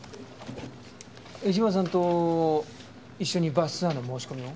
江島さんと一緒にバスツアーの申し込みを？